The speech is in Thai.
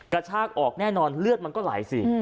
กระชากออกแน่นอนเลือดมันก็ไหลสิ